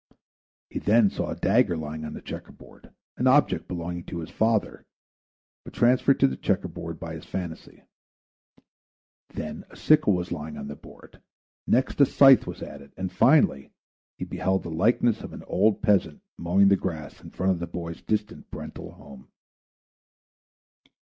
He then saw a dagger lying on the checker board, an object belonging to his father, but transferred to the checker board by his phantasy. Then a sickle was lying on the board; next a scythe was added; and, finally, he beheld the likeness of an old peasant mowing the grass in front of the boy's distant parental home.